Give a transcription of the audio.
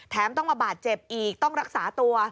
ต้องมาบาดเจ็บอีกต้องรักษาตัว